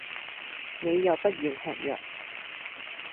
你又不願吃藥